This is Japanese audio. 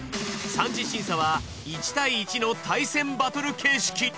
三次審査は１対１の対戦バトル形式。